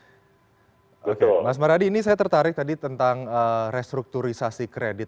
oke mas maradi ini saya tertarik tadi tentang restrukturisasi kredit